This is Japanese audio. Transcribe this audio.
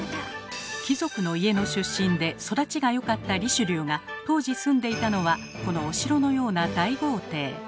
貴族の家の出身で育ちが良かったリシュリューが当時住んでいたのはこのお城のような大豪邸。